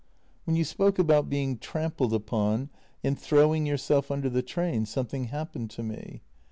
" When you spoke about being trampled upon and throwing yourself under the train, something happened to me.